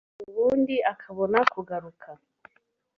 ubundi akabona kugaruka